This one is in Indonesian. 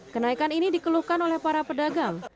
kenaikan ini dikeluhkan oleh para pedagang